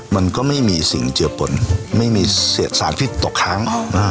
มันก็ไม่มีสิ่งเจือปนไม่มีเศษสารพิษตกค้าง